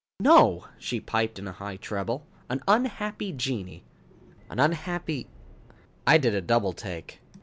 "No," she piped, in a high treble. "An unhappy genii." "An unhappy " I did a double take.